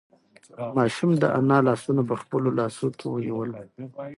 ماشوم د انا لاسونه په خپلو لاسو کې ونیول.